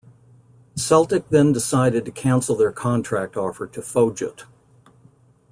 Celtic then decided to cancel their contract offer to Fojut.